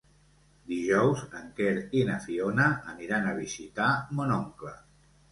Dijous en Quer i na Fiona aniran a visitar mon oncle.